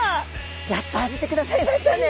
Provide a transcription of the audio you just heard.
やっと当ててくださいましたね。